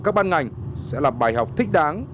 các ban ngành sẽ là bài học thích đáng